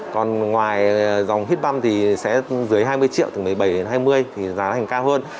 còn ngoài dòng hip bump thì sẽ dưới hai mươi triệu từ một mươi bảy hai mươi triệu thì giá thành cao hơn